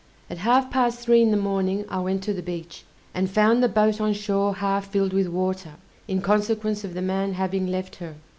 At half past three in the morning I went to the beach, and found the boat on shore half filled with water, in consequence of the man having left her.